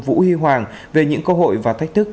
vũ huy hoàng về những cơ hội và thách thức